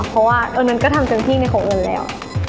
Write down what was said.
เพราะว่าตอนนั้นก็ทำเต็มที่ในของเงินแล้ว